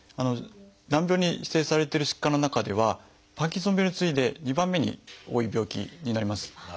難病に指定されている疾患の中ではパーキンソン病に次いで２番目に多い病気になります。